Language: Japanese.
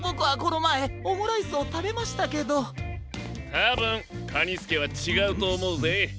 たぶんカニスケはちがうとおもうぜ。